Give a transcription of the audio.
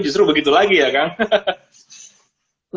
justru begitu lagi ya kang